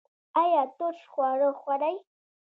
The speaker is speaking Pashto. ایا ترش خواړه خورئ؟